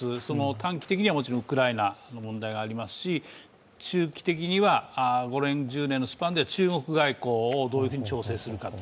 短期的にはもちろんウクライナの問題がありますし、中期的には５年、１０年のスパンで中国外交をどういうふうに調整するか。